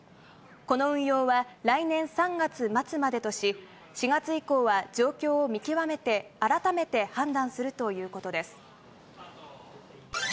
この運用は来年３月末までとし、４月以降は状況を見極めて改めて判断するということです。